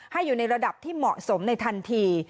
อยู่ในระดับที่เหมาะสมในทันที